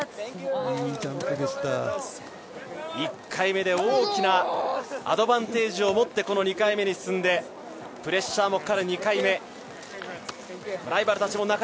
１回目で大きなアドバンテージを持ってこの２回目に進んで、プレッシャーもかかる２回目ライバルたちも